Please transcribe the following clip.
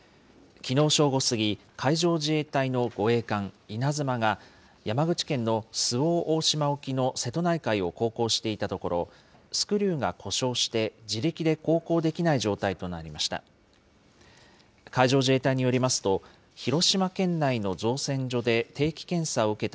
きのう正午過ぎ、海上自衛隊の護衛艦いなづまが、山口県の周防大島沖の瀬戸内海を航行していたところ、スクリューが故障して自力で航行できない状態となりました。